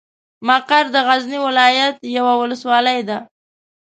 مقر د غزني ولايت یوه ولسوالۍ ده.